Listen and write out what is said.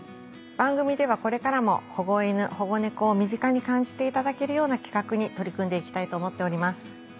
番組ではこれからも保護犬・保護猫を身近に感じていただけるような企画に取り組んで行きたいと思っております。